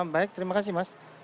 baik terima kasih mas